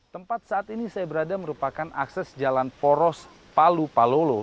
tempat saat ini saya berada merupakan akses jalan poros palu palolo